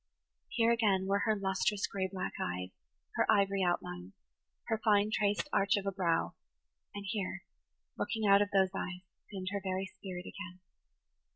Here again were her lustrous gray black eyes, her ivory outlines, her fine traced arch of brow; and here, looking out of those eyes, seemed her very spirit again.